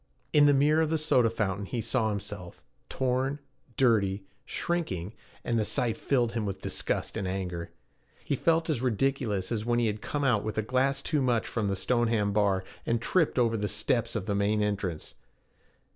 In the mirror of the soda fountain he saw himself, torn, dirty, shrinking, and the sight filled him with disgust and anger. He felt as ridiculous as when he had come out with a glass too much from the Stoneham bar, and tripped over the steps of the main entrance.